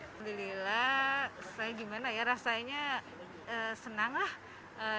alhamdulillah saya gimana ya rasanya senang lah